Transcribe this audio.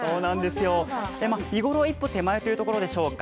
見頃一歩手前というところでしょうか。